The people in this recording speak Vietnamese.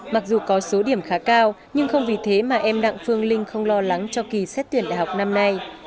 mặc dù có số điểm khá cao nhưng không vì thế mà em đặng phương linh không lo lắng cho kỳ xét tuyển đại học năm nay